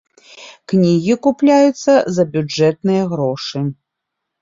Кнігі купляюцца за бюджэтныя грошы.